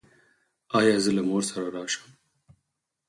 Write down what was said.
ایا زه له مور سره راشم؟